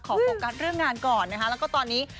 โฟกัสเรื่องงานก่อนนะคะแล้วก็ตอนนี้